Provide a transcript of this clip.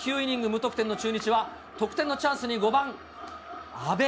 無得点の中日は、得点のチャンスに５番阿部。